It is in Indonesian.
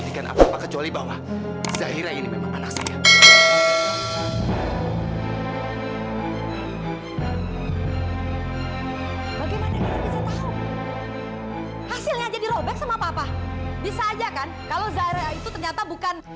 bisa aja kan kalau zahira itu ternyata bukan